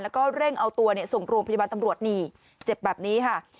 แล้วก็เร่งเอาตัวส่งโรงพยาบาลตำรวจนี่เจ็บแบบนี้ค่ะ